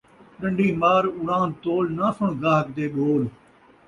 ݙن٘ڈی مار ، اُڑان٘د تول ، ناں سݨ ڳاہک دے ٻول